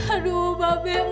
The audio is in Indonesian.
aduh mbak bem